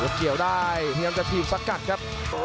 แล้วเจียวได้เทียมจะพีมซักกัดครับ